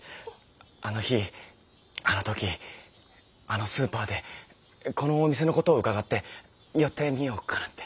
あの日あの時あのスーパーでこのお店のことを伺って寄ってみようかなって。